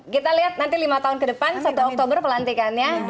kita lihat nanti lima tahun ke depan satu oktober pelantikannya